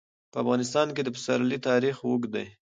په افغانستان کې د پسرلی تاریخ اوږد دی.